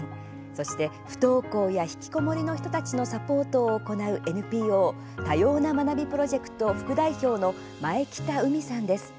そして、不登校や引きこもりの人たちのサポートを行うＮＰＯ多様な学びプロジェクト副代表の前北海さんです。